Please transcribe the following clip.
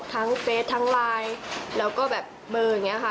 เฟสทั้งไลน์แล้วก็แบบเบอร์อย่างนี้ค่ะ